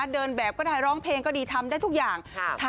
เดินแบบก็ได้ร้องเพลงก็ดีทำได้ทุกอย่าง